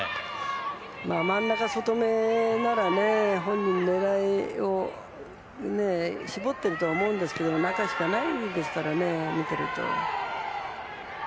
真ん中、外めなら本人、狙いを絞っていると思うんですけど中しかないですから、見てると。